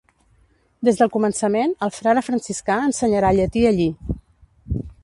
Des del començament, el frare franciscà ensenyarà llatí allí.